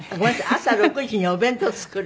朝６時にお弁当を作る。